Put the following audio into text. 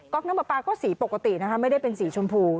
๊กน้ำปลาปลาก็สีปกตินะคะไม่ได้เป็นสีชมพู